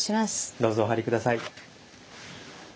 どうぞお入り下さい。